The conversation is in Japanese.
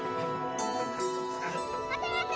待て待て！